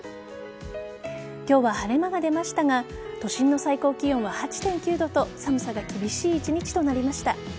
今日は晴れ間が出ましたが都心の最高気温は８．９度と寒さが厳しい１日となりました。